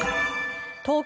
東京